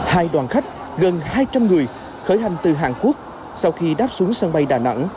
hai đoàn khách gần hai trăm linh người khởi hành từ hàn quốc sau khi đáp xuống sân bay đà nẵng